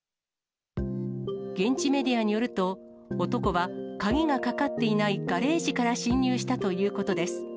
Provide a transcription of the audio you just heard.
現地メディアによると、男は鍵がかかっていないガレージから侵入したということです。